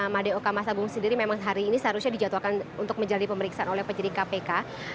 madeo kamasabung sendiri memang hari ini seharusnya dijadwalkan untuk menjalani pemeriksaan oleh penyidik kpk